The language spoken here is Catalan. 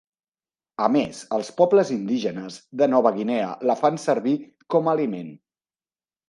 A més, els pobles indígenes de Nova Guinea la fan servir com a aliment.